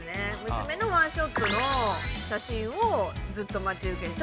娘のワンショットの写真をずっと待ち受けに。